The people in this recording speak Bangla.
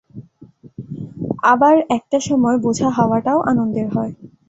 আবার, একটা সময়, বোঝা হওয়াটাও আনন্দের হয়।